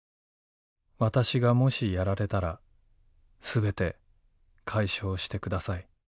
私がもしやられたら全て解消してください。